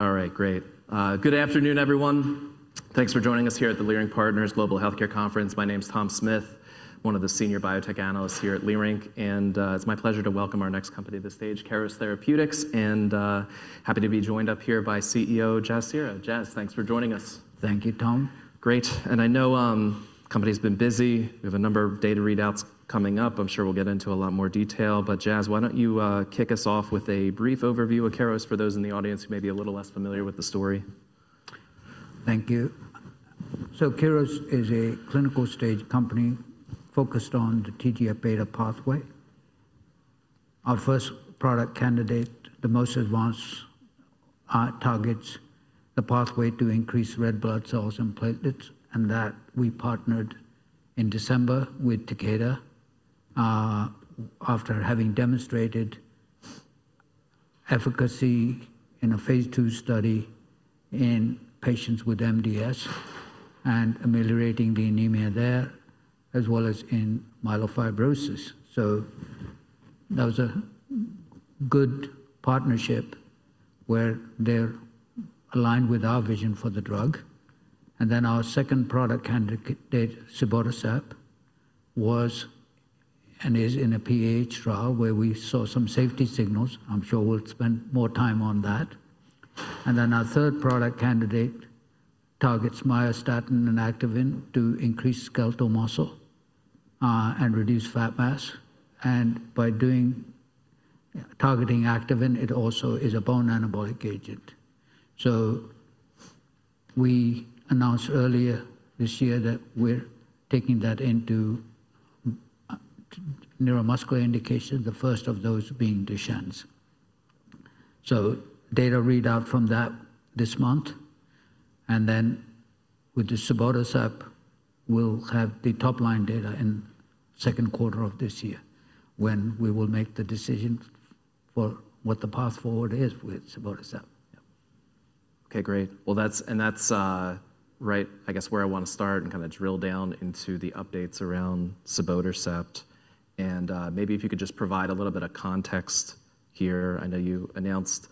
All right, great. Good afternoon, everyone. Thanks for joining us here at the Leerink Partners Global Healthcare Conference. My name is Tom Smith, one of the Senior Biotech Analysts here at Leerink. It's my pleasure to welcome our next company to the stage, Keros Therapeutics, and happy to be joined up here by CEO Jasbir Seehra. Jas, thanks for joining us. Thank you, Tom. Great. I know the company's been busy. We have a number of data readouts coming up. I'm sure we'll get into a lot more detail. Jas, why don't you kick us off with a brief overview of Keros, for those in the audience who may be a little less familiar with the story. Thank you. Keros is a clinical stage company focused on the TGF-β pathway. Our first product candidate, the most advanced, targets the pathway to increase red blood cells and platelets. That we partnered in December with Takeda after having demonstrated efficacy in a Phase II study in patients with MDS and ameliorating the anemia there, as well as in myelofibrosis. That was a good partnership where they are aligned with our vision for the drug. Our second product candidate, cibotercept, was and is in a PH trial where we saw some safety signals. I am sure we will spend more time on that. Our third product candidate targets myostatin and Activin to increase skeletal muscle and reduce fat mass. By targeting Activin, it also is a bone anabolic agent. We announced earlier this year that we're taking that into neuromuscular indication, the first of those being Duchenne's. Data readout from that this month. With the cibotercept, we'll have the top line data in the second quarter of this year when we will make the decision for what the path forward is with cibotercept. Okay, great. That is right, I guess, where I want to start and kind of drill down into the updates around cibotercept. Maybe if you could just provide a little bit of context here. I know you announced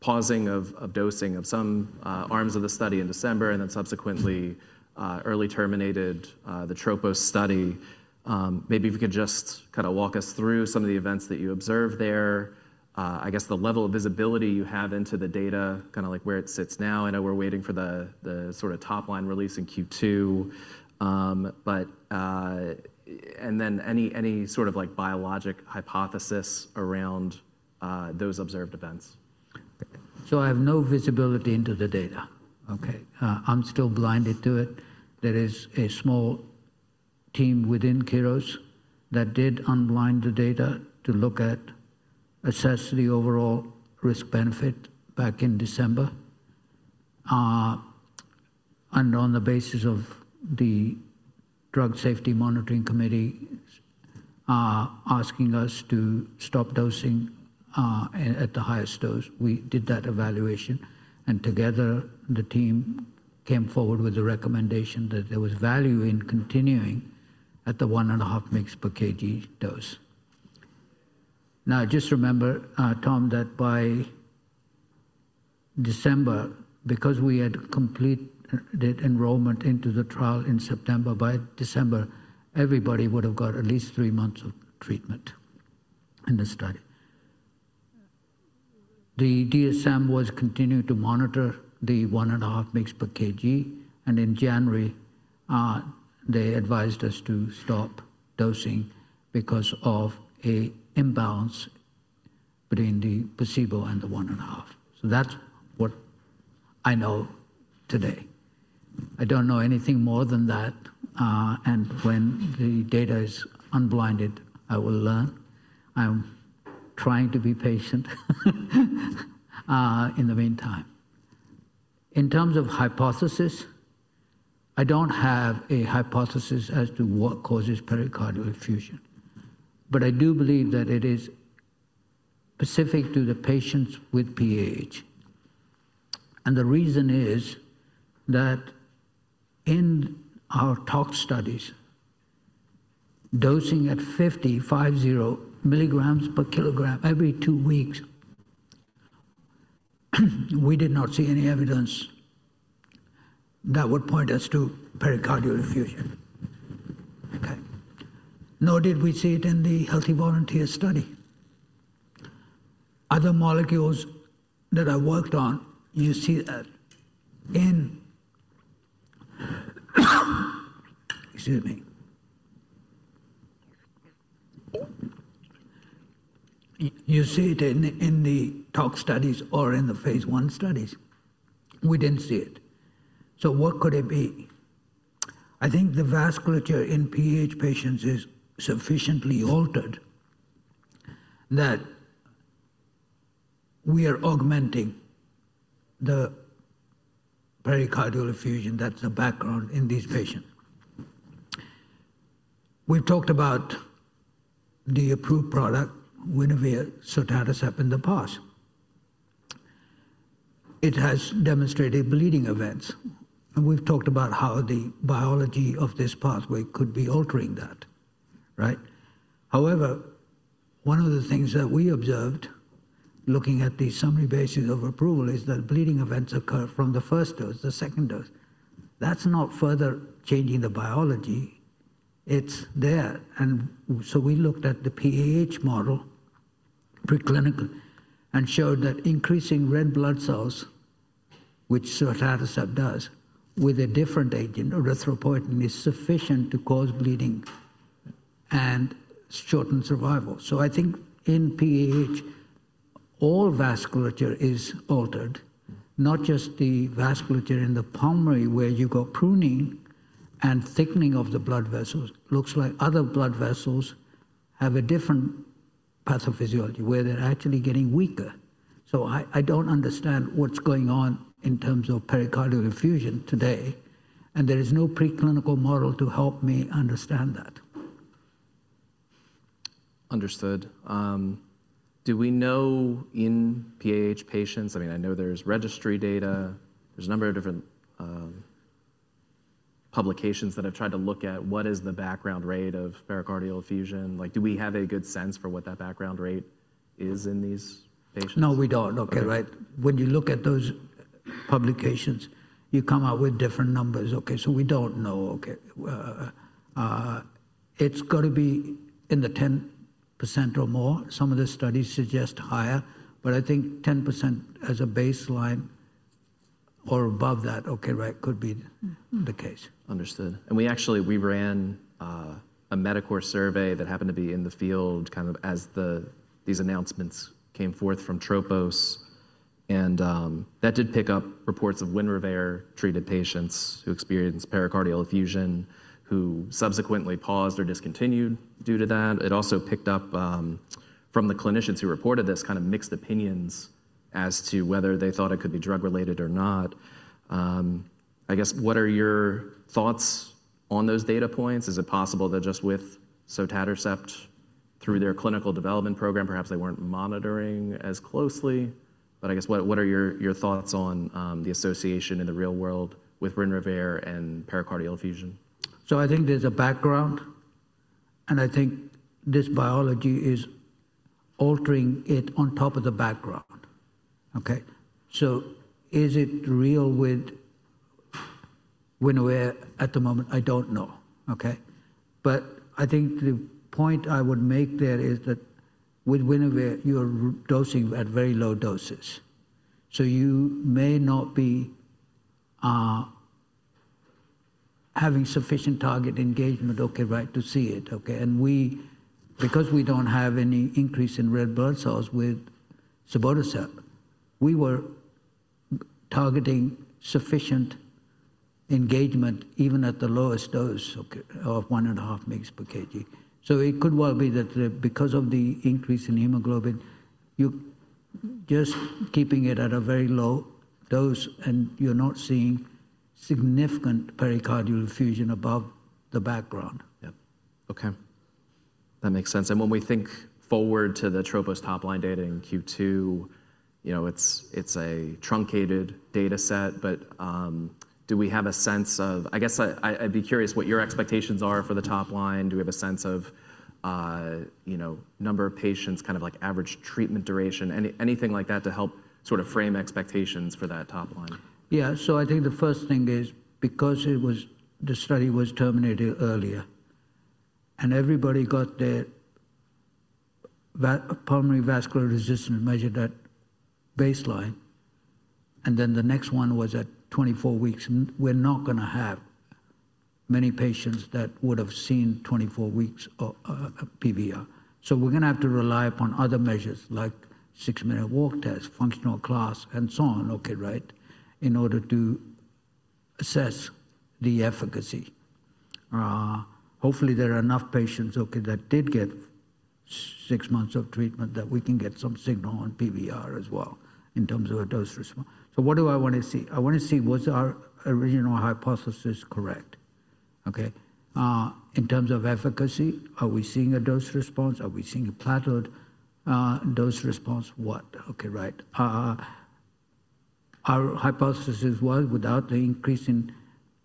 pausing of dosing of some arms of the study in December and then subsequently early terminated the TROPOS study. Maybe if you could just kind of walk us through some of the events that you observed there, I guess the level of visibility you have into the data, kind of like where it sits now. I know we are waiting for the sort of top line release in Q2. Any sort of biologic hypothesis around those observed events. I have no visibility into the data. Okay. I'm still blinded to it. There is a small team within Keros that did unblind the data to look at assess the overall risk-benefit back in December. On the basis of the Drug Safety Monitoring Committee asking us to stop dosing at the highest dose, we did that evaluation. Together, the team came forward with the recommendation that there was value in continuing at the one and a half mg per kg dose. Just remember, Tom, that by December, because we had completed enrollment into the trial in September, by December, everybody would have got at least three months of treatment in the study. The DSM was continuing to monitor the one and a half mg per kg. In January, they advised us to stop dosing because of an imbalance between the placebo and the one and a half. That is what I know today. I do not know anything more than that. When the data is unblinded, I will learn. I am trying to be patient in the meantime. In terms of hypothesis, I do not have a hypothesis as to what causes pericardial effusion. I do believe that it is specific to the patients with PH. The reason is that in our tox studies, dosing at 50 milligrams per kilogram every two weeks, we did not see any evidence that would point us to pericardial effusion. Nor did we see it in the healthy volunteers study. Other molecules that I worked on, you see that in, excuse me, you see it in the tox studies or in the Phase I studies. We did not see it. What could it be? I think the vasculature in PH patients is sufficiently altered that we are augmenting the pericardial effusion that's the background in these patients. We've talked about the approved product, Winrevair, sotatercept, in the past. It has demonstrated bleeding events. We've talked about how the biology of this pathway could be altering that, right? However, one of the things that we observed looking at the Summary Basis of Approval is that bleeding events occur from the first dose, the second dose. That's not further changing the biology. It's there. We looked at the PH model preclinical and showed that increasing red blood cells, which cibotercept does with a different agent, erythropoietin, is sufficient to cause bleeding and shorten survival. I think in PH, all vasculature is altered, not just the vasculature in the pulmonary where you got pruning and thickening of the blood vessels. It looks like other blood vessels have a different pathophysiology where they're actually getting weaker. I don't understand what's going on in terms of pericardial effusion today. There is no preclinical model to help me understand that. Understood. Do we know in PH patients? I mean, I know there's registry data. There's a number of different publications that have tried to look at what is the background rate of pericardial effusion. Do we have a good sense for what that background rate is in these patients? No, we don't. Okay. Right. When you look at those publications, you come up with different numbers. Okay. We don't know. It's got to be in the 10% or more. Some of the studies suggest higher. I think 10% as a baseline or above that, okay, right, could be the case. Understood. We actually ran a MEDACorp survey that happened to be in the field kind of as these announcements came forth from TROPOS. That did pick up reports of Winrevair-treated patients who experienced pericardial effusion, who subsequently paused or discontinued due to that. It also picked up from the clinicians who reported this kind of mixed opinions as to whether they thought it could be drug-related or not. I guess, what are your thoughts on those data points? Is it possible that just with cibotercept through their clinical development program, perhaps they were not monitoring as closely? I guess, what are your thoughts on the association in the real world with Winrevair and pericardial effusion? I think there's a background. I think this biology is altering it on top of the background. Okay. Is it real with Winrevair at the moment? I don't know. Okay. I think the point I would make there is that with Winrevair, you're dosing at very low doses. You may not be having sufficient target engagement, right, to see it. Okay. Because we don't have any increase in red blood cells with cibotercept, we were targeting sufficient engagement even at the lowest dose of 1.5 mg per kg. It could well be that because of the increase in hemoglobin, you're just keeping it at a very low dose and you're not seeing significant pericardial effusion above the background. Okay. That makes sense. When we think forward to the Tropos top line data in Q2, it's a truncated data set. Do we have a sense of, I guess I'd be curious what your expectations are for the top line. Do we have a sense of number of patients, kind of like average treatment duration, anything like that to help sort of frame expectations for that top line? Yeah. I think the first thing is because the study was terminated earlier and everybody got their Pulmonary Vascular Resistance measured at baseline, and then the next one was at 24 weeks, we're not going to have many patients that would have seen 24 weeks of PVR. We're going to have to rely upon other measures like Six-Minute Walk Test, functional class, and so on, right, in order to assess the efficacy. Hopefully, there are enough patients that did get six months of treatment that we can get some signal on PVR as well in terms of a dose response. What do I want to see? I want to see was our original hypothesis correct, right? In terms of efficacy, are we seeing a dose response? Are we seeing a plateaued dose response? What, right. Our hypothesis was without the increase in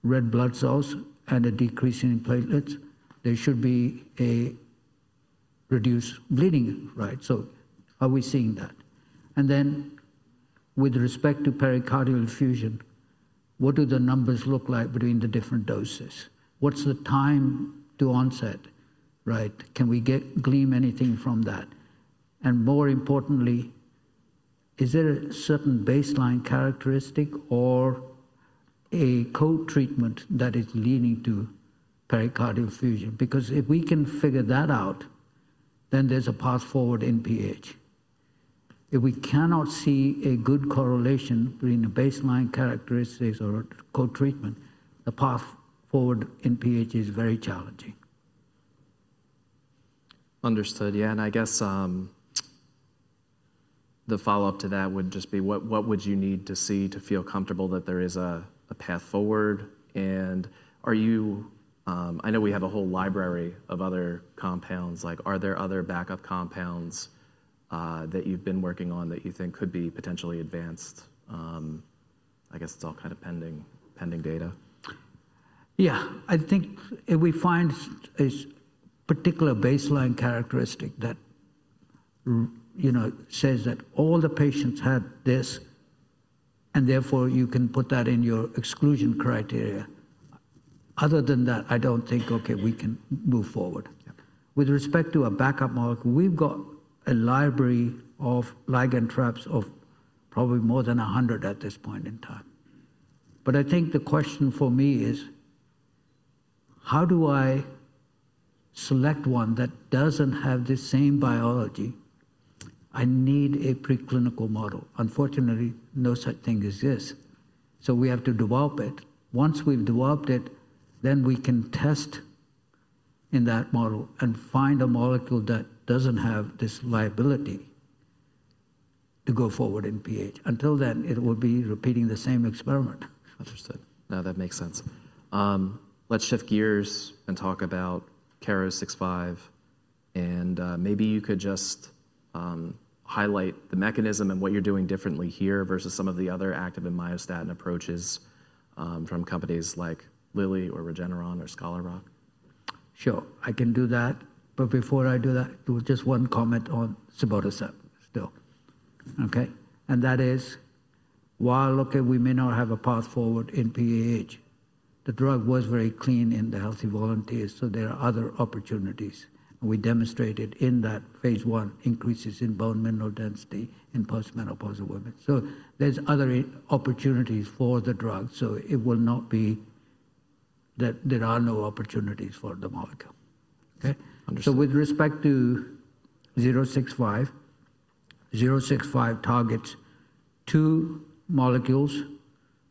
red blood cells and a decrease in platelets, there should be a reduced bleeding. Right. Are we seeing that? With respect to pericardial effusion, what do the numbers look like between the different doses? What is the time to onset? Right. Can we glean anything from that? More importantly, is there a certain baseline characteristic or a co-treatment that is leading to pericardial effusion? Because if we can figure that out, then there is a path forward in pH. If we cannot see a good correlation between the baseline characteristics or co-treatment, the path forward in pH is very challenging. Understood. Yeah. I guess the follow-up to that would just be what would you need to see to feel comfortable that there is a path forward? I know we have a whole library of other compounds. Are there other backup compounds that you've been working on that you think could be potentially advanced? I guess it's all kind of pending data. Yeah. I think if we find a particular baseline characteristic that says that all the patients had this and therefore you can put that in your exclusion criteria, other than that, I don't think, okay, we can move forward. With respect to a backup molecule, we've got a library of ligand traps of probably more than 100 at this point in time. I think the question for me is how do I select one that doesn't have the same biology? I need a preclinical model. Unfortunately, no such thing exists. We have to develop it. Once we've developed it, then we can test in that model and find a molecule that doesn't have this liability to go forward in PH. Until then, it will be repeating the same experiment. Understood. No, that makes sense. Let's shift gears and talk about KER-065. And maybe you could just highlight the mechanism and what you're doing differently here versus some of the other activin and myostatin approaches from companies like Lilly or Regeneron or Scholar Rock. Sure. I can do that. Before I do that, just one comment on cibotercept. While we may not have a path forward in PH, the drug was very clean in the healthy volunteers. There are other opportunities. We demonstrated in that Phase I increases in bone mineral density in postmenopausal women. There are other opportunities for the drug. It will not be that there are no opportunities for the molecule. With respect to 065, 065 targets two molecules,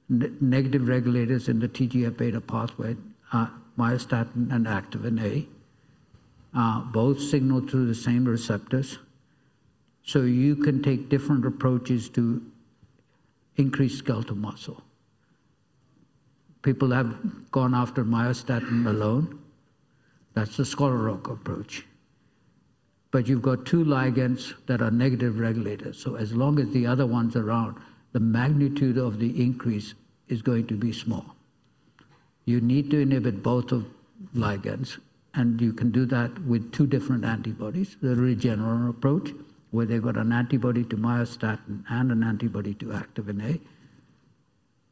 negative regulators in the TGF-β pathway, myostatin and activin A. Both signal through the same receptors. You can take different approaches to increase skeletal muscle. People have gone after myostatin alone. That is the Scholar Rock approach. You have two ligands that are negative regulators. As long as the other one's around, the magnitude of the increase is going to be small. You need to inhibit both of ligands. You can do that with two different antibodies. The Regeneron approach, where they've got an antibody to myostatin and an antibody to Activin A.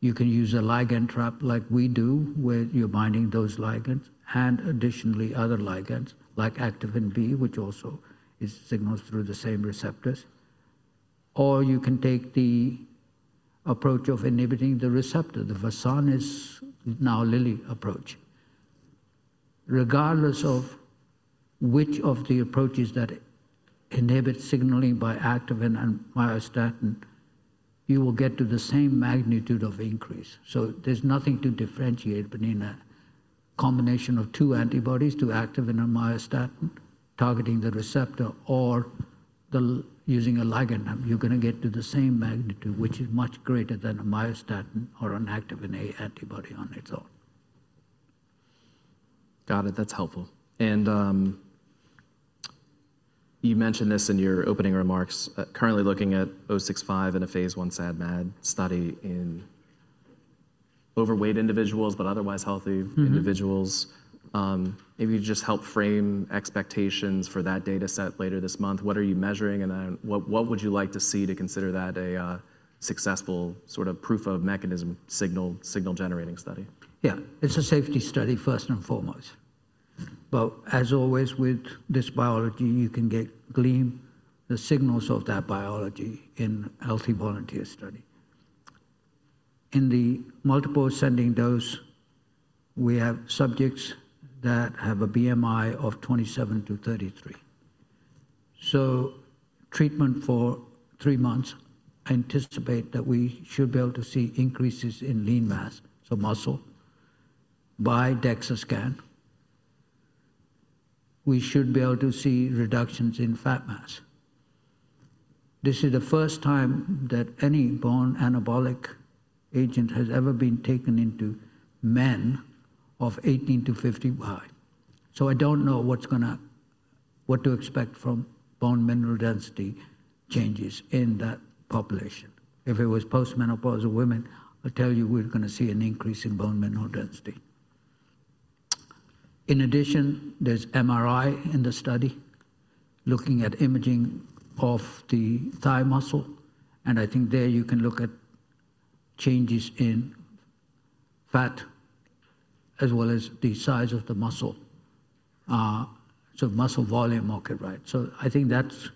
You can use a ligand trap like we do where you're binding those ligands and additionally other ligands like Activin B, which also signals through the same receptors. You can take the approach of inhibiting the receptor, the Versanis now Lilly approach. Regardless of which of the approaches that inhibit signaling by Activin and myostatin, you will get to the same magnitude of increase. There's nothing to differentiate between a combination of two antibodies to activin and myostatin, targeting the receptor or using a ligand. You're going to get to the same magnitude, which is much greater than a myostatin or an activin A antibody on its own. Got it. That's helpful. You mentioned this in your opening remarks. Currently looking at 065 in a Phase I SAD/MAD study in overweight individuals, but otherwise healthy individuals. Maybe you could just help frame expectations for that data set later this month. What are you measuring? What would you like to see to consider that a successful sort of proof of mechanism signal-generating study? Yeah. It's a safety study first and foremost. As always with this biology, you can glean the signals of that biology in healthy volunteers study. In the multiple ascending dose, we have subjects that have a BMI of 27-33. Treatment for three months, anticipate that we should be able to see increases in lean mass, so muscle, by DEXA scan. We should be able to see reductions in fat mass. This is the first time that any bone anabolic agent has ever been taken into men of 18 to 55. I don't know what to expect from bone mineral density changes in that population. If it was postmenopausal women, I'll tell you we're going to see an increase in bone mineral density. In addition, there's MRI in the study looking at imaging of the thigh muscle. I think there you can look at changes in fat as well as the size of the muscle, so muscle volume, right. I think that's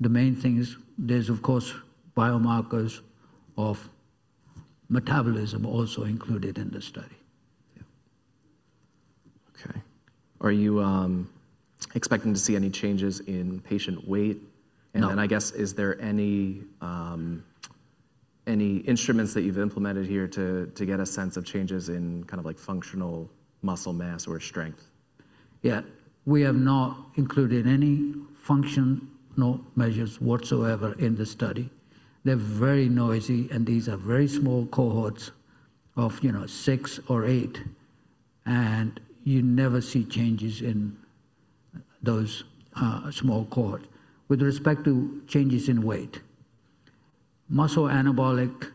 the main things. There's, of course, biomarkers of metabolism also included in the study. Okay. Are you expecting to see any changes in patient weight? I guess, is there any instruments that you've implemented here to get a sense of changes in kind of like functional muscle mass or strength? Yeah. We have not included any functional measures whatsoever in the study. They're very noisy. These are very small cohorts of six or eight. You never see changes in those small cohorts. With respect to changes in weight, muscle anabolic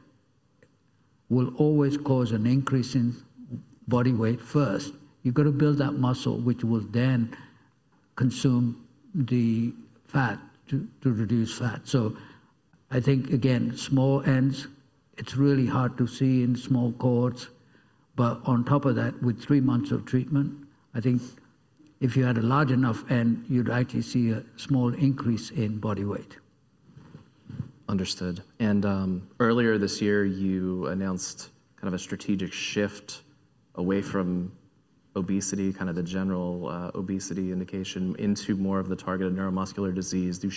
will always cause an increase in body weight first. You've got to build that muscle, which will then consume the fat to reduce fat. I think, again, small ends, it's really hard to see in small cohorts. On top of that, with three months of treatment, I think if you had a large enough end, you'd actually see a small increase in body weight. Understood. Earlier this year, you announced kind of a strategic shift away from obesity, kind of the general obesity indication into more of the targeted neuromuscular disease. Do you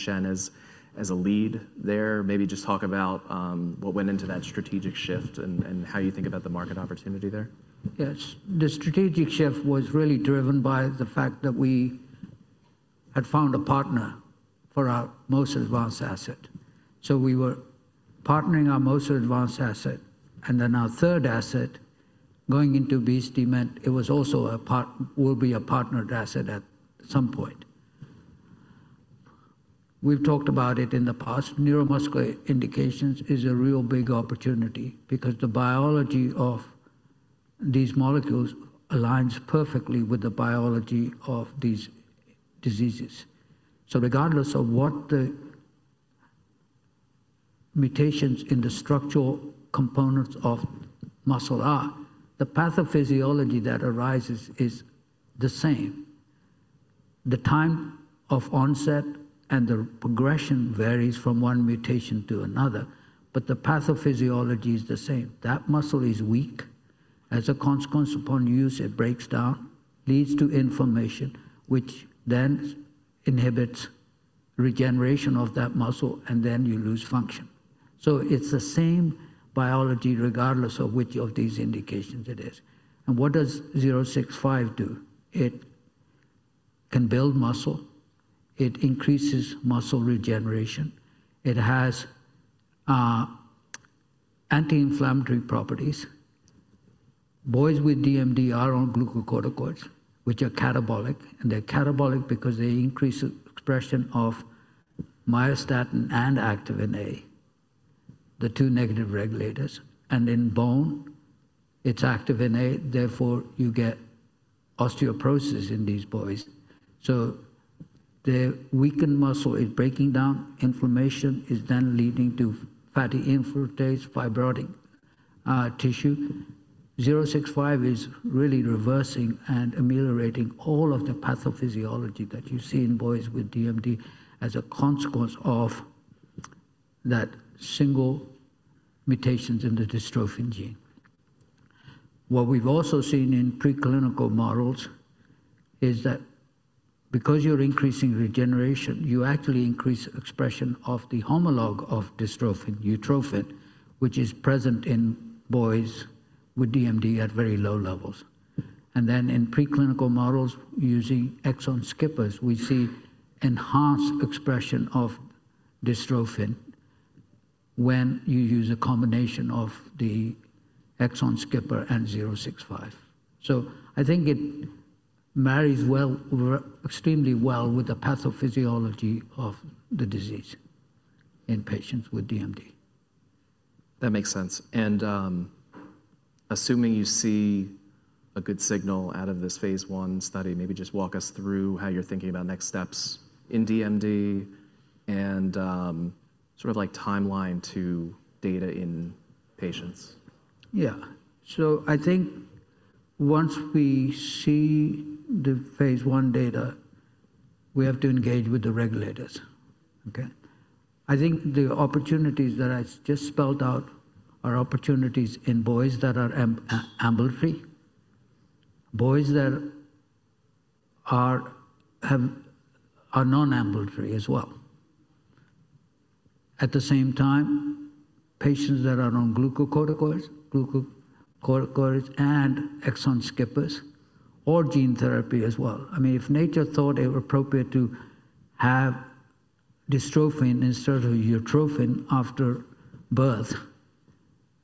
share as a lead there? Maybe just talk about what went into that strategic shift and how you think about the market opportunity there. Yes. The strategic shift was really driven by the fact that we had found a partner for our most advanced asset. We were partnering our most advanced asset. And then our third asset going into obesity meant it was also a part will be a partnered asset at some point. We've talked about it in the past. Neuromuscular indications is a real big opportunity because the biology of these molecules aligns perfectly with the biology of these diseases. Regardless of what the mutations in the structural components of muscle are, the pathophysiology that arises is the same. The time of onset and the progression varies from one mutation to another, but the pathophysiology is the same. That muscle is weak. As a consequence upon use, it breaks down, leads to inflammation, which then inhibits regeneration of that muscle, and then you lose function. It is the same biology regardless of which of these indications it is. What does 065 do? It can build muscle. It increases muscle regeneration. It has anti-inflammatory properties. Boys with DMD are on glucocorticoids, which are catabolic. They are catabolic because they increase expression of myostatin and activin A, the two negative regulators. In bone, it is Activin A. Therefore, you get osteoporosis in these boys. Their weakened muscle is breaking down. Inflammation is then leading to fatty infiltrates, fibrotic tissue. 065 is really reversing and ameliorating all of the pathophysiology that you see in boys with DMD as a consequence of that single mutation in the dystrophin gene. What we have also seen in preclinical models is that because you are increasing regeneration, you actually increase expression of the homologue of dystrophin, utrophin, which is present in boys with DMD at very low levels. In preclinical models using exon skippers, we see enhanced expression of dystrophin when you use a combination of the exon skipper and 065. I think it marries extremely well with the pathophysiology of the disease in patients with DMD. That makes sense. Assuming you see a good signal out of this phase one study, maybe just walk us through how you're thinking about next steps in DMD and sort of like timeline to data in patients. Yeah. I think once we see the Phase I data, we have to engage with the regulators. Okay. I think the opportunities that I just spelled out are opportunities in boys that are ambulatory, boys that are non-ambulatory as well. At the same time, patients that are on glucocorticoids, glucocorticoids and exon skippers, or gene therapy as well. I mean, if nature thought it was appropriate to have dystrophin instead of utrophin after birth,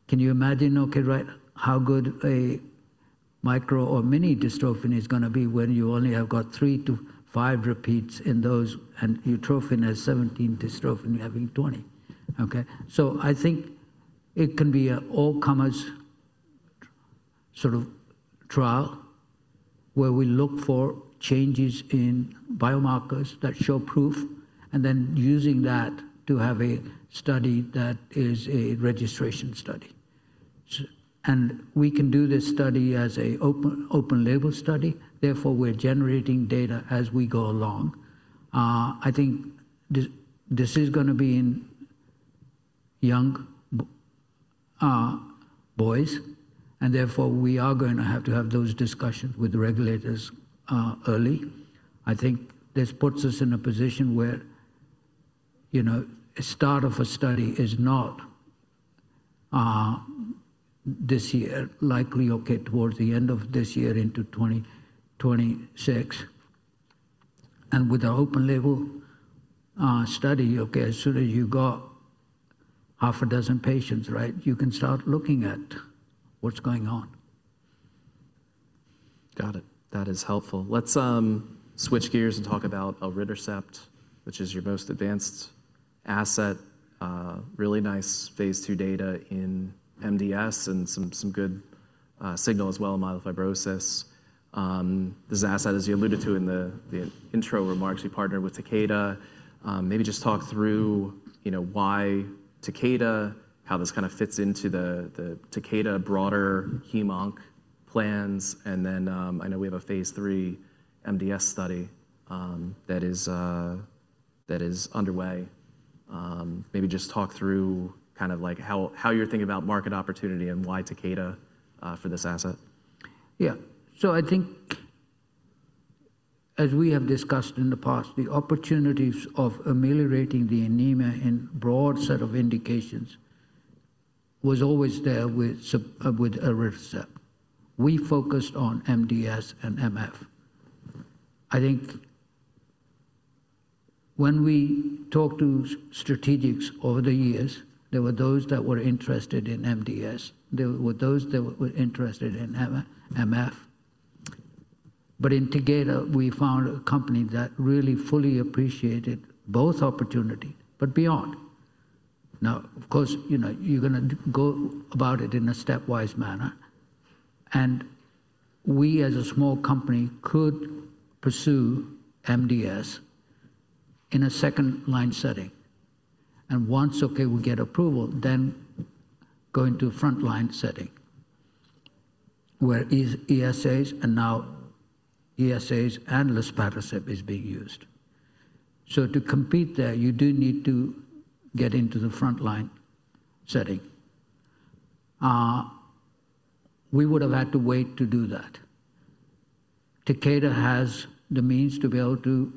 can you imagine, okay, right, how good a micro or mini dystrophin is going to be when you only have got three to five repeats in those and utrophin has 17, dystrophin having 20. Okay. I think it can be an all-comers sort of trial where we look for changes in biomarkers that show proof and then using that to have a study that is a registration study. We can do this study as an open label study. Therefore, we're generating data as we go along. I think this is going to be in young boys. Therefore, we are going to have to have those discussions with regulators early. I think this puts us in a position where the start of a study is not this year, likely, okay, towards the end of this year into 2026. With an open label study, okay, as soon as you got half a dozen patients, right, you can start looking at what's going on. Got it. That is helpful. Let's switch gears and talk about elritercept, which is your most advanced asset, really nice Phase II data in MDS and some good signal as well in myelofibrosis. This asset, as you alluded to in the intro remarks, you partnered with Takeda. Maybe just talk through why Takeda, how this kind of fits into the Takeda broader HEMONC plans. I know we have a Phase III MDS study that is underway. Maybe just talk through kind of like how you're thinking about market opportunity and why Takeda for this asset. Yeah. I think as we have discussed in the past, the opportunities of ameliorating the anemia in a broad set of indications was always there with elritercept. We focused on MDS and MF. I think when we talked to strategics over the years, there were those that were interested in MDS. There were those that were interested in MF. In Takeda, we found a company that really fully appreciated both opportunities, but beyond. Of course, you're going to go about it in a stepwise manner. We as a small company could pursue MDS in a second line setting. Once we get approval, then go into front line setting where ESAs and now ESAs and luspatercept is being used. To compete there, you do need to get into the front line setting. We would have had to wait to do that. Takeda has the means to be able to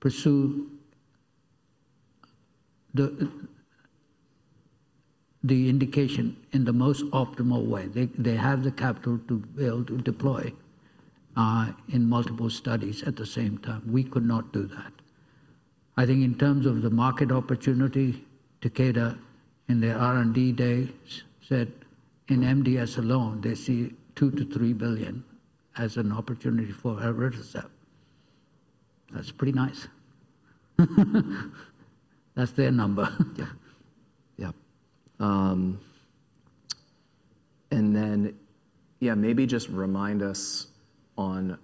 pursue the indication in the most optimal way. They have the capital to be able to deploy in multiple studies at the same time. We could not do that. I think in terms of the market opportunity, Takeda in their R&D day said in MDS alone, they see $2 billion-$3 billion as an opportunity for elritercept. That's pretty nice. That's their number. Yeah. Yeah, maybe just remind us on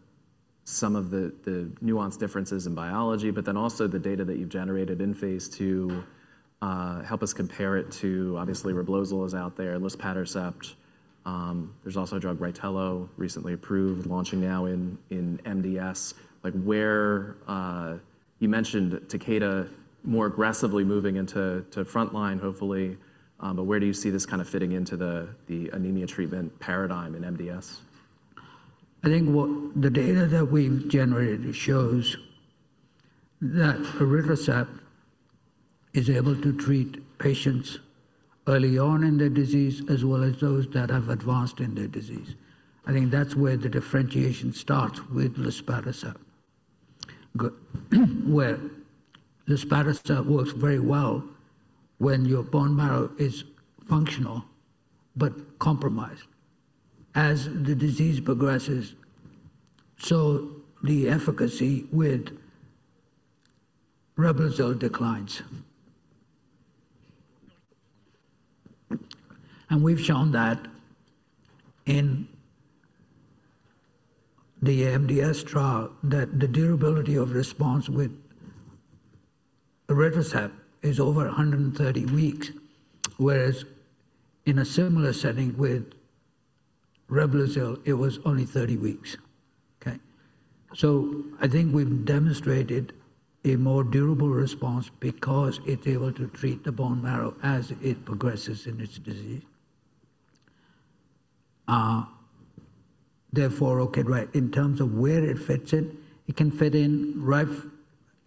some of the nuanced differences in biology, but then also the data that you've generated in Phase II, help us compare it to obviously Reblozyl is out there, luspatercept. There's also a drug, Rytelo, recently approved, launching now in MDS. You mentioned Takeda more aggressively moving into front line, hopefully. Where do you see this kind of fitting into the anemia treatment paradigm in MDS? I think the data that we've generated shows that elritercept is able to treat patients early on in their disease as well as those that have advanced in their disease. I think that's where the differentiation starts with luspatercept, where luspatercept works very well when your bone marrow is functional but compromised. As the disease progresses, the efficacy with Reblozyl declines. We've shown that in the MDS trial that the durability of response with elritercept is over 130 weeks, whereas in a similar setting with Reblozyl, it was only 30 weeks. I think we've demonstrated a more durable response because it's able to treat the bone marrow as it progresses in its disease. Therefore, in terms of where it fits in, it can fit in right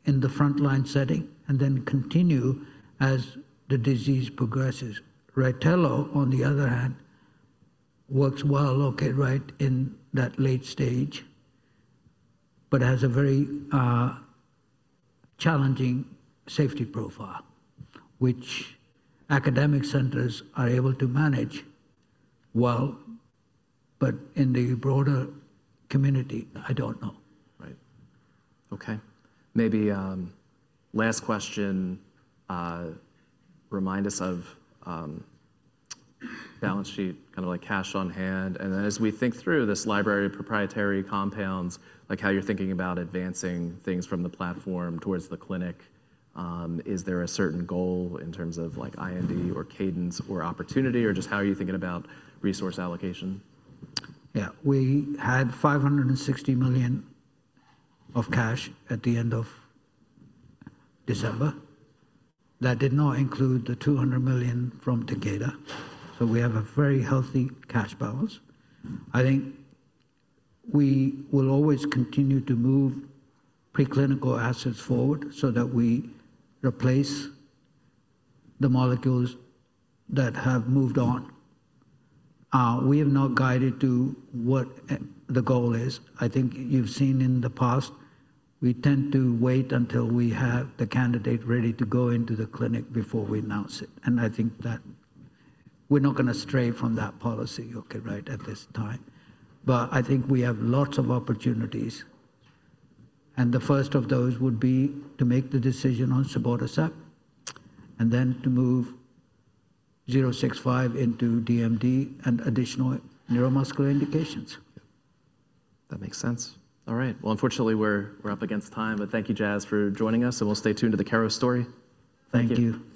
in the front line setting and then continue as the disease progresses. Rytelo, on the other hand, works well, okay, right, in that late stage, but has a very challenging safety profile, which academic centers are able to manage well, but in the broader community, I don't know. Right. Okay. Maybe last question, remind us of balance sheet, kind of like cash on hand. And then as we think through this library of proprietary compounds, like how you're thinking about advancing things from the platform towards the clinic, is there a certain goal in terms of like IND or cadence or opportunity or just how are you thinking about resource allocation? Yeah. We had $560 million of cash at the end of December. That did not include the $200 million from Takeda. We have a very healthy cash balance. I think we will always continue to move preclinical assets forward so that we replace the molecules that have moved on. We have not guided to what the goal is. I think you've seen in the past, we tend to wait until we have the candidate ready to go into the clinic before we announce it. I think that we're not going to stray from that policy, right, at this time. I think we have lots of opportunities. The first of those would be to make the decision on cibotercept and then to move 065 into DMD and additional neuromuscular indications. That makes sense. All right. Unfortunately, we're up against time, but thank you, Jas, for joining us. We'll stay tuned to the Keros story. Thank you.